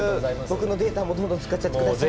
僕のデータもどんどん使っちゃって下さい。